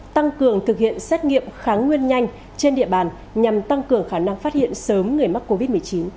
tăng cường thực hiện xét nghiệm kháng nguyên nhanh trên địa bàn nhằm tăng cường khả năng phát hiện sớm người mắc covid một mươi chín